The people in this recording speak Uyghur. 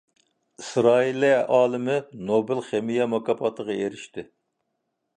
ئىسرائىلىيە ئالىمى نوبېل خىمىيە مۇكاپاتىغا ئېرىشتى.